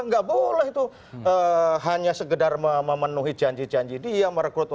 nggak boleh itu hanya segedar memenuhi janji janji dia merekrut